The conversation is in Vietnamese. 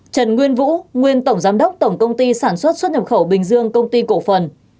trần nguyên vũ nguyên tổng giám đốc tổng công ty sản xuất xuất nhập khẩu bình dương công ty cổ phần